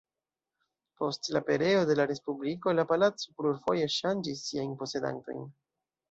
Post la pereo de la respubliko la palaco plurfoje ŝanĝis siajn posedantojn.